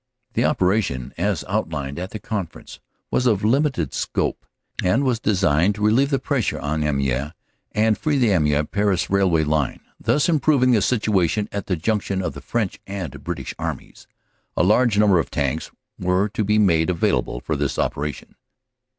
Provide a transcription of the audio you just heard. The operation as outlined at the conference was of lim ited scope, and was designed to relieve the pressure on Amiens and free the Amiens Paris railway line, thus improving the situation at the junction of the French and British Armies. A large number of Tanks were to be made available for this operation.